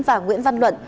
và nguyễn văn luận